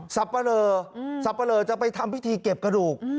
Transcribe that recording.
อ๋อสับเบลออืมสับเบลอจะไปทำพิธีเก็บกระดูกอืม